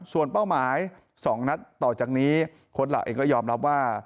ส่วนเป้าหมาย๒นัดต่อจากนี้โค้ดเหล่าเองก็ยอมรับว่า